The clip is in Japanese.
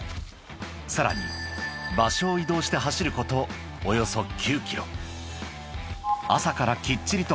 ［さらに場所を移動して走ることおよそ９ｋｍ］